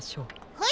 はい。